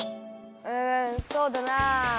うんそうだなあ。